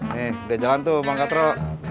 nih udah jalan tuh bang katro